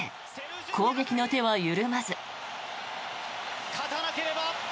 攻撃の手は緩まず。